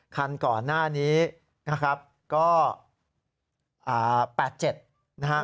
คันก่อนหน้านี้นะครับก็๘๗นะฮะ